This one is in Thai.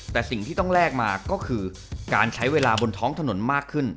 ตั้งแรกมากก็คือใช้เวลาบนท้องถนนมากขึ้น